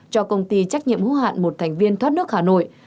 cho công ty trách nhiệm hữu hạn một thành viên thoát nước hà nội